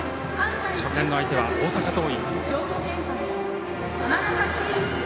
初戦の相手は大阪桐蔭。